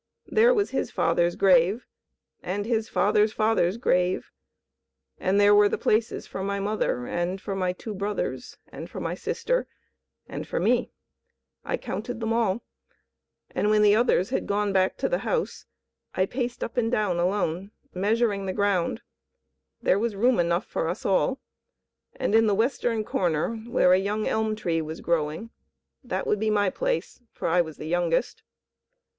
There was his father's grave, and his father's father's grave, and there were the places for my mother and for my two brothers and for my sister and for me. I counted them all, when the others had gone back to the house. I paced up and down alone, measuring the ground; there was room enough for us all; and in the western corner where a young elm tree was growing, that would be my place, for I was the youngest.